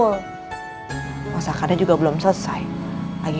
ya udah tuh jangan dipikirin